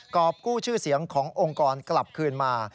อบกู้ชื่อเสียงขององค์กรกลับคืนมา